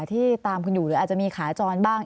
ที่ตามคุณอยู่หรืออาจจะมีขาจรบ้าง